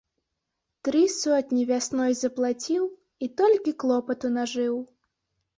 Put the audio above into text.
Тры сотні вясной заплаціў, і толькі клопату нажыў.